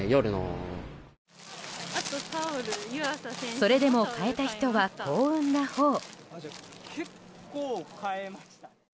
それでも買えた人は幸運なほう。